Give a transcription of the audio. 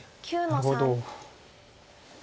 なるほど。